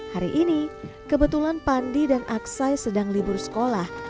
hari ini kebetulan pandi dan aksai sedang libur sekolah